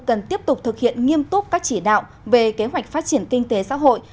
cần tiếp tục thực hiện nghiêm túc các chỉ đạo về kế hoạch phát triển kinh tế xã hội